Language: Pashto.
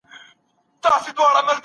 فشار د سهار له پیل سره هم وي.